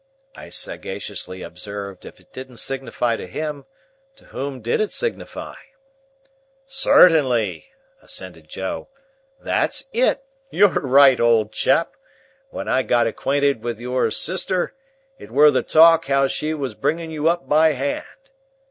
I sagaciously observed, if it didn't signify to him, to whom did it signify? "Certainly!" assented Joe. "That's it. You're right, old chap! When I got acquainted with your sister, it were the talk how she was bringing you up by hand.